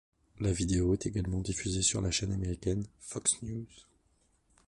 La vidéo est également diffusée sur la chaîne américaine Fox News.